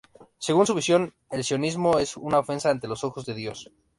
Según su visión, el sionismo es una ofensa ante los ojos de Dios.